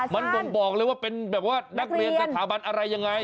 มันบ่งบอกเลยว่าเป็นแบบว่านักเรียนสถาบันอะไรยังไง